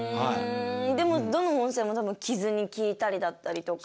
でもどの温泉も多分傷に効いたりだったりとか。